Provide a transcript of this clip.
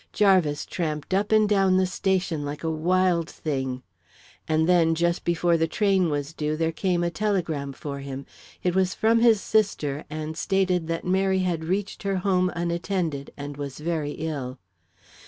Jarvis tramped up and down the station like a wild thing. And then, just before the train was due, there came a telegram for him. It was from his sister and stated that Mary had reached her home unattended and was very ill.